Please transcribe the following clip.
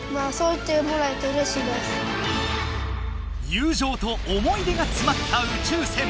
友情と思い出がつまった宇宙船。